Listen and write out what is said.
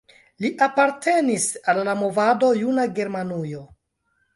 Li apartenis al la movado Juna Germanujo.